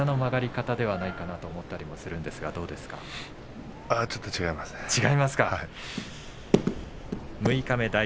推測するに膝の曲がり方ではないかと思ったりもするんですがちょっと違いますね。